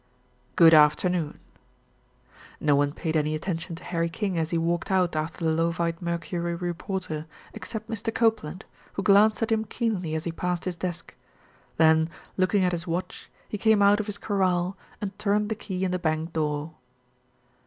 Good afternoon." No one paid any attention to Harry King as he walked out after the Leauvite Mercury reporter, except Mr. Copeland, who glanced at him keenly as he passed his desk. Then, looking at his watch, he came out of his corral and turned the key in the bank door.